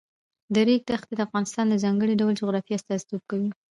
د ریګ دښتې د افغانستان د ځانګړي ډول جغرافیه استازیتوب کوي.